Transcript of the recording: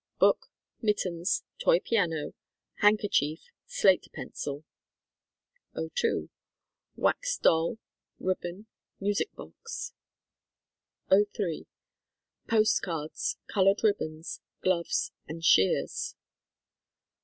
Book, mittens, toy piano, handkerchief, slate pencil. '02. Wax doll, ribbon, music box. '03. Post cards, colored ribbons, gloves and shears.